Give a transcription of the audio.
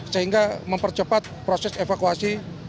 sehingga mempercepat proses evakuasi